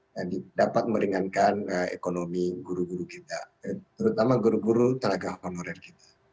jadi dapat meringankan ekonomi guru guru kita terutama guru guru tenaga honorer kita